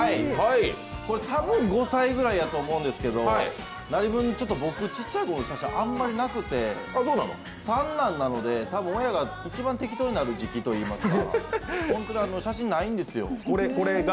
たぶん５歳ぐらいやと思うんですけどなにぶん、僕ちっちゃいころの写真あんまりなくて三男なので、多分親が一番適当になる時期といいますか、本当に写真ないんですよ。